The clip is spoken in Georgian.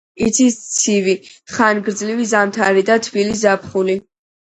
იცის ცივი, ხანგრძლივი ზამთარი და თბილი ზაფხული.